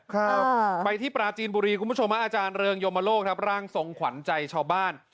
ครับไปที่ปราจีนบุรีคุณผู้ชมฮะอาจารย์เริงยมโลกครับร่างทรงขวัญใจชาวบ้าน